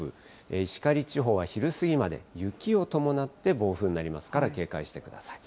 石狩地方は昼過ぎまで雪を伴って暴風になりますから、警戒してください。